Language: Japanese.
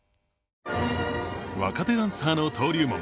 若手ダンサーの登竜門